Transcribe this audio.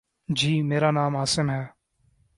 جی، میرا نام عاصم ہے